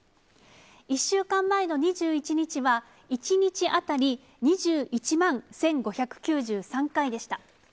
１週間前の２１日は、１日当たり２１万１５９３回でした。